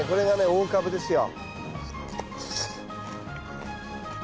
オオカブですよ。